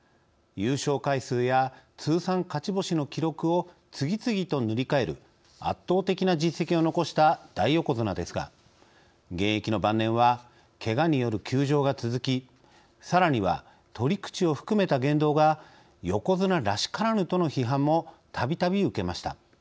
優勝回数や通算勝ち星の記録を次々と塗り替える圧倒的な実績を残した大横綱ですが現役の晩年はけがによる休場が続きさらには取り口を含めた言動が「横綱らしからぬ」との批判もたびたび受けました。